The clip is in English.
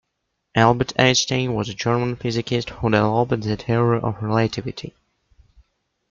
Albert Einstein was a German physicist who developed the Theory of Relativity.